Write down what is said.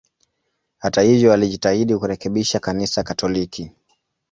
Hata hivyo, alijitahidi kurekebisha Kanisa Katoliki.